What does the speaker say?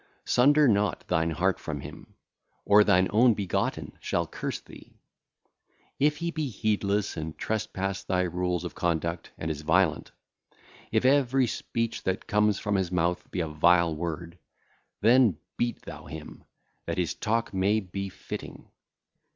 Sunder not thine heart from him, or thine own begotten shall curse [thee]. If he be heedless and trespass thy rules of conduct, and is violent; if every speech that cometh from his mouth be a vile word; then beat thou him, that his talk may be fitting.